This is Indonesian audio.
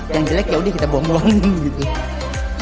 yang jelek yaudah kita bohong bohong gitu